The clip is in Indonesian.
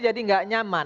jadi gak nyaman